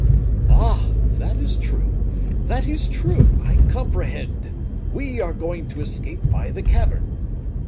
"Ah! that is true, that is true; I comprehend. We are going to escape by the cavern."